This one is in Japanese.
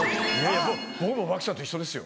僕も和氣さんと一緒ですよ。